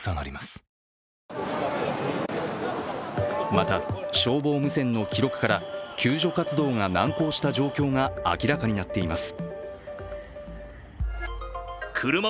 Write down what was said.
また、消防無線の記録から救助活動が難航した状況が明らかになっています。